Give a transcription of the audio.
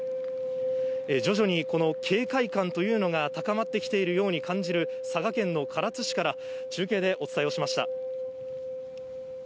徐々にこの警戒感というのが高まってきているように感じる、佐賀県の唐津市から中継でお伝えをしました。